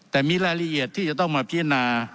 แต่มีรายละเอียดที่จะต้องมาพิจารณา